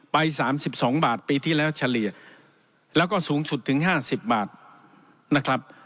ไปสามสิบสองบาทปีที่แล้วเฉลี่ยแล้วก็สูงสุดถึงห้าสิบบาทนะครับ